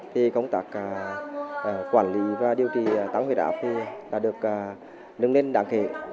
thì công tác quản lý và điều trị tăng huyết áp đã được nâng lên đáng kể